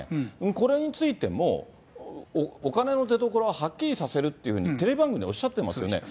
これについてもお金の出どころははっきりさせるっていうふうにテレビ番組でおっしゃってますよね。